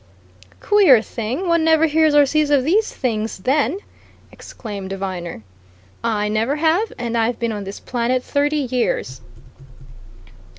"Queer thing, one never hears or sees of these things, then!" exclaimed Viner. "I never have! and I've been on this planet thirty years."